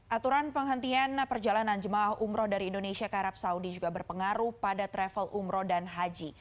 aturan penghentian perjalanan jemaah umroh dari indonesia ke arab saudi juga berpengaruh pada travel umroh dan haji